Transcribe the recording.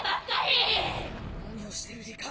何をしてる里香！